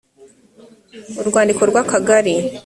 urwandiko rw akagari